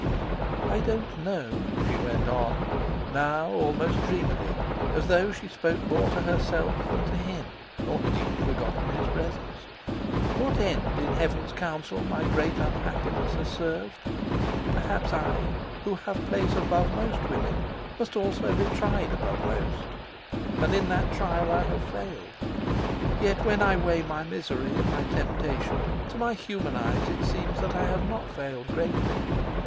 "I don't know," she went on, now almost dreamily, and as though she spoke more to herself than to him, or had even forgotten his presence, "what end in Heaven's counsel my great unhappiness has served. Perhaps I, who have place above most women, must also be tried above most; and in that trial I have failed. Yet, when I weigh my misery and my temptation, to my human eyes it seems that I have not failed greatly.